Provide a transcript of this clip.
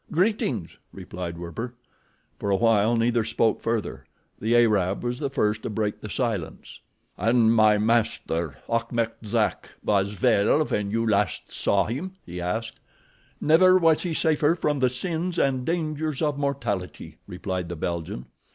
"Greetings!" replied Werper. For a while neither spoke further. The Arab was the first to break the silence. "And my master, Achmet Zek, was well when last you saw him?" he asked. "Never was he safer from the sins and dangers of mortality," replied the Belgian.